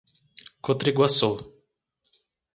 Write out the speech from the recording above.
Cotriguaçu